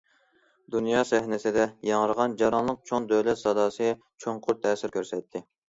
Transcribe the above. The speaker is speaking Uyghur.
دۇنيا سەھنىسىدە ياڭرىغان جاراڭلىق چوڭ دۆلەت ساداسى، چوڭقۇر تەسىر كۆرسەتتى.